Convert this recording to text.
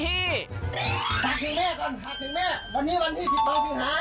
ถักถึงแม่ก่อนถักถึงแม่วันนี้วันที่สิบสองสิบหา